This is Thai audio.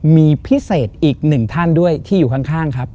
มีพิเศษอีกหนึ่งท่านด้วยที่อยู่ข้างครับ